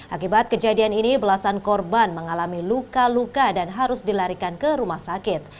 akibat kejadian ini belasan korban mengalami luka luka dan harus dilarikan ke rumah sakit